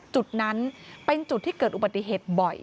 จุดนั้นเป็นจุดที่เกิดอุบัติเหตุบ่อย